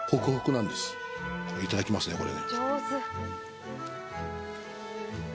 いただきますねこれ。